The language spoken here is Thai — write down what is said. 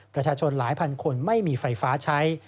ประชาชนหลายพันคนไม่มีไฟฟ้าใช้